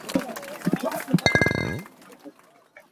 Rovuihnak ca kha na thlau hrimhrim lai lo.